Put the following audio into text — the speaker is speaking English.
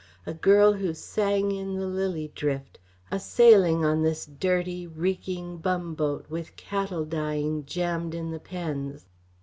A girl who sang in the lily drift a sailing on this dirty, reeking bumboat, with cattle dying jammed in the pens!